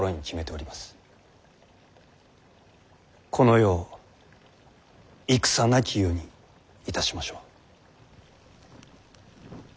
この世を戦なき世にいたしましょう。